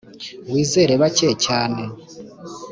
wizere bake cyane